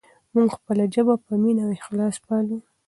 موږ خپله ژبه په مینه او اخلاص پالو.